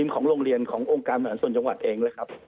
ของโรงเรียนขององค์การมหาส่วนจังหวัดเอง